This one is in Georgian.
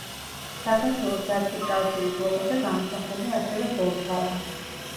საქართველოს რაგბის კავშირის ლოგოზე გამოსახულია ასევე ბორჯღალა.